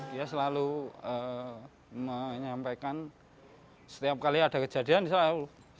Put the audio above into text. dia selalu menyampaikan setiap kali ada kejadian selalu bicara kepada saya